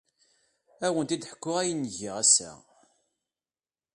Ad awent-d-ḥkuɣ ayen ay giɣ ass-a.